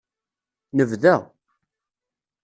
Nebda.